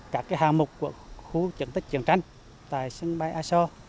cả các hàng mục của khu diện tích chiến tranh tại sân bay a so